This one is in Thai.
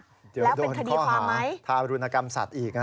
แล้วเป็นคดีความไหมถ้าโดนข้อหาทารุณกรรมสัตว์อีก